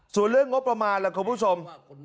ส่วนเรื่องงบประมาณล่ะคุณผู้ชม